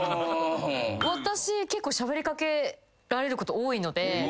私結構しゃべり掛けられること多いので。